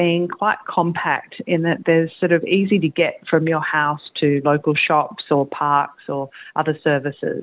mengatakan laporan tersebut menyoroti apa yang menjadi perhatian masyarakat di lingkungan mereka